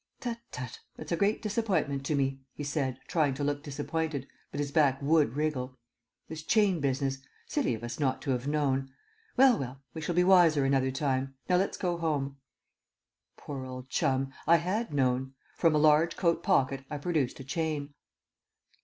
"Tut, tut, it's a great disappointment to me," he said, trying to look disappointed, but his back would wriggle. "This chain business silly of us not to have known well, well, we shall be wiser another time. Now let's go home." Poor old Chum; I had known. From a large coat pocket I produced a chain.